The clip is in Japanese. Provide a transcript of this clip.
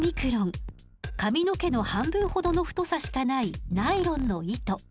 髪の毛の半分ほどの太さしかないナイロンの糸。